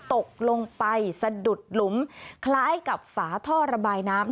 ตกลงไปสะดุดหลุมคล้ายกับฝาท่อระบายน้ำ